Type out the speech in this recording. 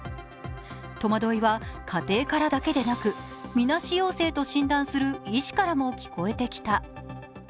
戸惑いは、家庭からだけでなくみなし陽性と診断する医師からも聞こえてきた。